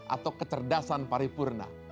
atau kecerdasan paripurna